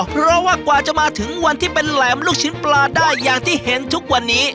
เพราะว่ากว่าจะมาถึงวันที่เป็นแหลมลูกชิ้นปลาได้อย่างที่เห็นทุกวันนี้